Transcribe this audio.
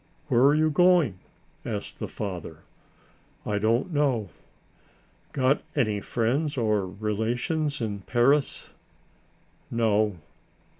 "Where are you going?" asked the father. "I don't know." "Got any friends or relations in Paris?" "No."